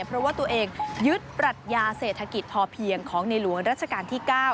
เพราะว่าตัวเองยึดปรัชญาเศรษฐกิจพอเพียงของในหลวงรัชกาลที่๙